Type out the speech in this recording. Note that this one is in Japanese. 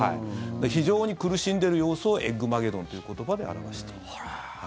非常に苦しんでいる様子をエッグマゲドンという言葉で表している。